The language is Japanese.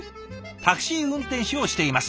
「タクシー運転手をしています。